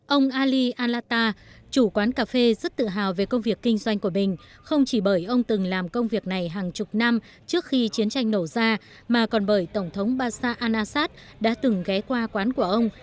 ông ali alata chủ quán cà phê rất tự hào về công việc kinh doanh của mình không chỉ bởi ông từng làm công việc này hàng chục năm trước khi chiến tranh nổ ra mà còn bởi tổng thống bash anasat đã từng ghé qua quán của ông